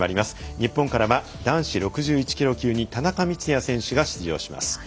日本からは男子６１キロ級に田中光哉選手が出場します。